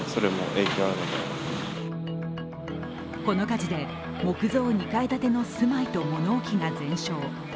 この火事で木造２階建ての住まいと物置が全焼。